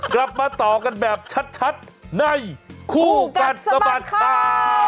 กลับมาต่อกันแบบชัดในคู่กัดสะบัดข่าว